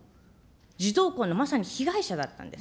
児童婚のまさに被害者だったんです。